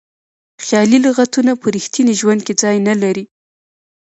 خیالي لغتونه په ریښتیني ژوند کې ځای نه لري.